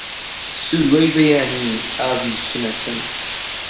سروەی بەیانی، ئازیز شنە شن